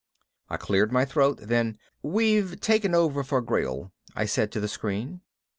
I cleared my throat. Then, "We've taken over for Grayl," I said to the screen.